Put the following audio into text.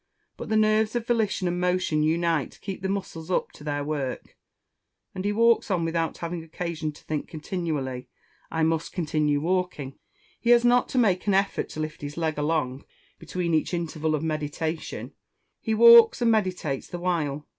But the nerves of volition and motion unite to keep the muscles up to their work, and he walks on without having occasion to think continually, "I must continue walking." He has not to make an effort to lift his leg along between each interval of meditation; he walks and meditates the while.